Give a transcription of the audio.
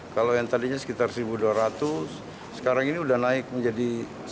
kalau yang tadinya sekitar seribu dua ratus sekarang ini sudah naik menjadi seribu sembilan ratus seribu enam ratus